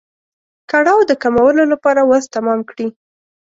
کړاو د کمولو لپاره وس تمام کړي.